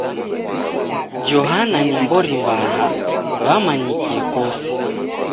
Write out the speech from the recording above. Johana ni m'bori mbaha, wamanyikie kose